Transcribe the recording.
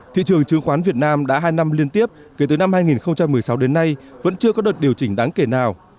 thị trường chứng khoán việt nam đã hai năm liên tiếp kể từ năm hai nghìn một mươi sáu đến nay vẫn chưa có đợt điều chỉnh đáng kể nào